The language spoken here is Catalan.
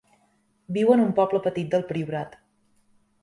Viu en un poble petit del Priorat.